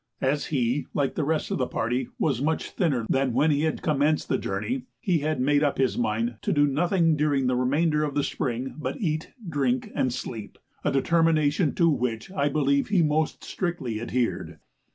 As he, like the rest of the party, was much thinner than when he commenced the journey, he had made up his mind to do nothing during the remainder of the spring but eat, drink, and sleep, a determination to which I believe he most strictly adhered.